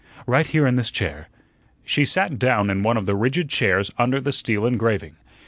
"Right here in this chair." She sat down in one of the rigid chairs under the steel engraving.